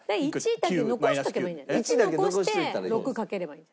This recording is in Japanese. １残して６かければいい。